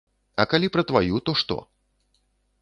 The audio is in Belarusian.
А калі пра тваю, то што?